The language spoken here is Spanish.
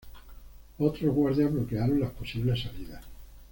Otros guardias bloquearon las posibles salidas.